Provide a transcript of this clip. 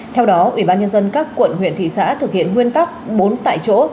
theo đó ubnd các quận huyện thị xã thực hiện huyên tắc bốn tại chỗ